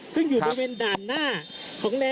คุณภูริพัฒน์บุญนิน